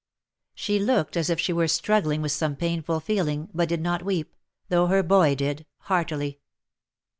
She looked as if she were struggling with some painful feeling, but did not weep, though her boy did, heartily.